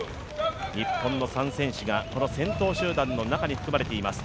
日本の３選手がこの先頭集団の中に含まれています。